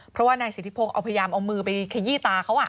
เพราะว่านายสิทธิพงศ์เอาพยายามเอามือไปขยี้ตาเขา